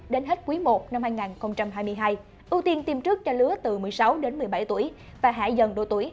đến hết quý i năm hai nghìn hai mươi hai ưu tiên tiêm trước cho lứa từ một mươi sáu đến một mươi bảy tuổi và hải dần độ tuổi